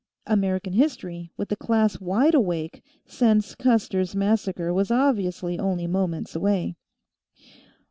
American History, with the class wide awake, since Custer's Massacre was obviously only moments away.